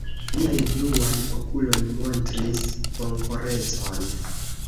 Liaj bluaj okuloj montris bonkorecon.